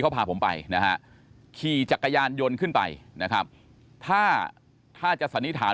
เขาพาผมไปนะฮะขี่จักรยานยนต์ขึ้นไปนะครับถ้าถ้าจะสันนิษฐาน